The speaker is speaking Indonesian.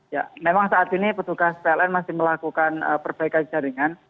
ya memang saat ini petugas pln masih melakukan perbaikan jaringan